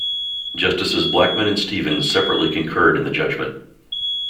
Justices Blackmun and Stevens separately concurred in the judgment.